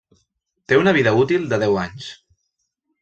Té una vida útil de deu anys.